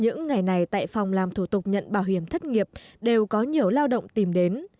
những ngày này tại phòng làm thuộc nhận bảo hiểm thất nghiệp đều có nhiều lao động tìm đến